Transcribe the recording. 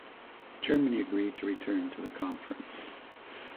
Germany agreed to return to the conference.